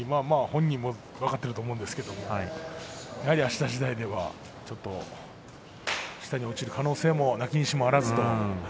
本人も分かっていると思うんですけれどもやはり、あしたしだいではちょっと下に落ちる可能性もなきにしもあらず。